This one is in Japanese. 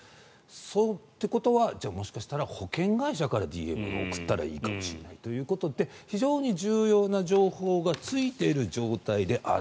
ていうことはもしかしたら保険会社からＤＭを送ったらいいかもしれないということで非常に重要な情報がついている状態である。